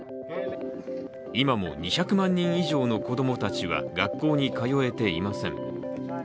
今も２００万人以上の子供たちは学校に通えていません。